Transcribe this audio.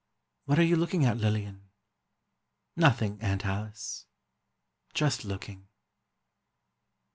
"What are you looking at, Lillian?" "Nothing, Aunt Alice, just looking."